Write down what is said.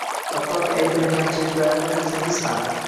Hattoki aybini, kamchiliklarini bilsangiz ham.